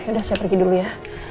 udah saya pergi dulu ya